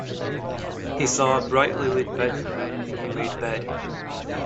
He saw a brightly lit bedroom with a made bed.